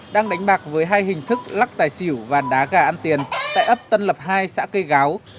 đang đánh bạc với hai hình thức lắc tài xỉu và đá gà ăn tiền tại ấp tân lập hai xã cây gáo